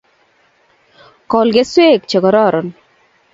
Kol keswek chekororon